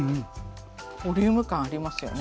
ボリューム感ありますよね。